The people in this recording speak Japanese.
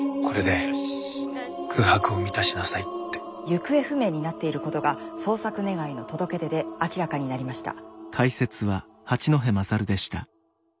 行方不明になっていることが捜索願の届け出で明らかになりました。